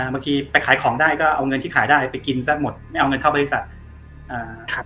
ไปขายของได้ก็เอาเงินที่ขายได้ไปกินซะหมดไม่เอาเงินเข้าบริษัท